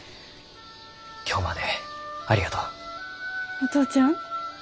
お父ちゃん？